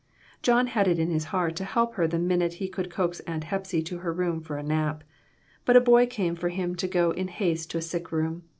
John had it in his heart to help her the minute he could coax Aunt Hepsy to her room for a nap. But a boy came for him to go 92 BONNETS, AND BURNS, AND BURDENS. in haste to a sick room.